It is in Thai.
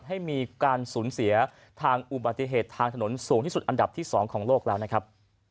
ให้มีการสูญเสียทางอุบัติเหตุทางถนนสูงที่สุดอันดับที่๒ของโลกแล้วนะครับ